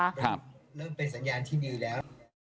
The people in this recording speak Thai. เริ่มเป็นสัญญาณที่ดีแล้ว